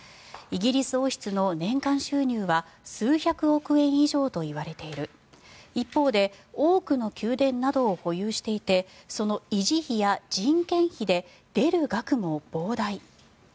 イギリス王室の年間収入は数百億円以上といわれている一方で多くの宮殿などを保有していてその維持費や人件費で出る額も膨大。